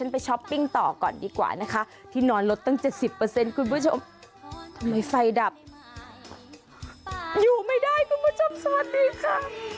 ไปช้อปปิ้งต่อก่อนดีกว่านะคะที่นอนลดตั้ง๗๐เปอร์เซ็นต์คุณผู้ชมทำไมไฟดับอยู่ไม่ได้คุณผู้ชมสวัสดีค่ะ